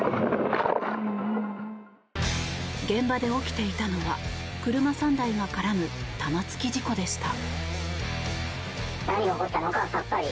現場で起きていたのは車３台が絡む玉突き事故でした。